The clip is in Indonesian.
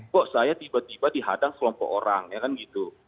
kok saya tiba tiba dihadang selompok orang ya kan gitu